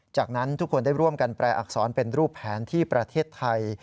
จากนั้นทุกคนได้ร่วมกันแปลอักษรเป็นรูปแผนที่ประเทศไทย